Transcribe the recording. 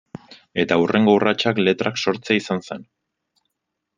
Eta hurrengo urratsa letrak sortzea izan zen.